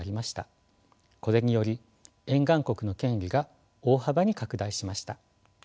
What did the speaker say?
これにより沿岸国の権利が大幅に拡大しました。